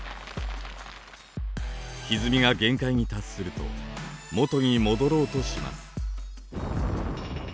ひずみが限界に達すると元に戻ろうとします。